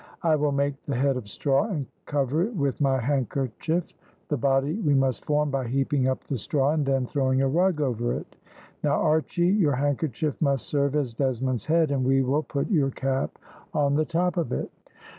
I will make the head of straw, and cover it with my handkerchief, the body we must form by heaping up the straw and then throwing a rug over it. Now, Archy, your handkerchief must serve as Desmond's head, and we will put your cap on the top of it."